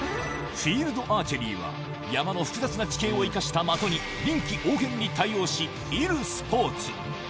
フィールドアーチェリーは、山の複雑な地形を生かした的に臨機応変に対応し、射るスポーツ。